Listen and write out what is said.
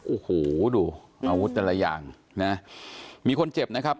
โอ้โหดูอาวุธแต่ละอย่างนะมีคนเจ็บนะครับ